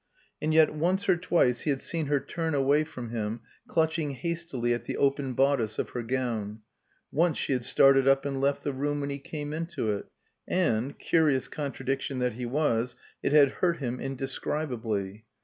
And yet once or twice he had seen her turn away from him, clutching hastily at the open bodice of her gown; once she had started up and left the room when he came into it; and, curious contradiction that he was, it had hurt him indescribably.